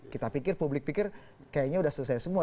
kita pikir publik pikir kayaknya sudah selesai semua